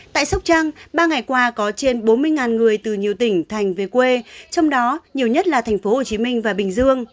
tại sóc trăng ba ngày qua có trên bốn mươi người từ nhiều tỉnh thành về quê trong đó nhiều nhất là tp hcm và bình dương